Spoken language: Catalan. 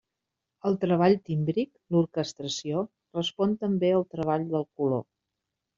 El treball tímbric, l'orquestració, respon també al treball del color.